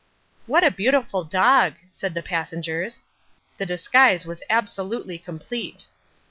"What a beautiful dog," said the passengers. The disguise was absolutely complete.